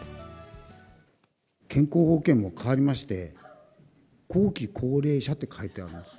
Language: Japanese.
健康保険も変わりまして、後期高齢者って書いてあるんですよ。